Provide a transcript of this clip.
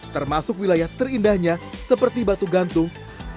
termasuk wilayah terindahnya seperti batu gantung